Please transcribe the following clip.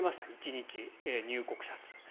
１日、入国者数。